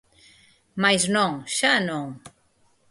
Mais non, xa non.